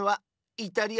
イタリア？